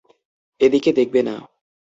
এদিকে দেখবে না।